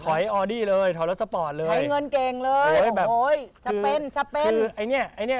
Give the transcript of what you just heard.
ถอยออดี้เลยถอยรถสปอร์ตเลยใช้เงินเก่งเลยโอ้โฮแซ่เป่น